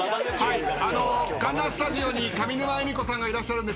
あの観覧スタジオに上沼恵美子さんいらっしゃいます。